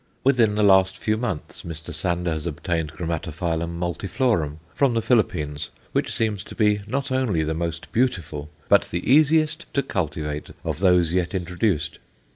Within the last few months Mr. Sander has obtained G. multiflorum from the Philippines, which seems to be not only the most beautiful, but the easiest to cultivate of those yet introduced.